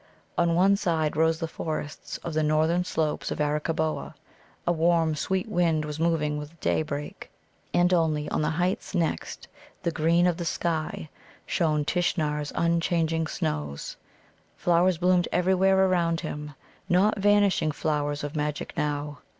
On one side rose the forests of the northern slopes of Arakkaboa. A warm, sweet wind was moving with daybreak, and only on the heights next the green of the sky shone Tishnar's unchanging snows. Flowers bloomed everywhere around him, not vanishing flowers of magic now.